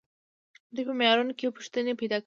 دوی په معیارونو کې پوښتنې پیدا کوي.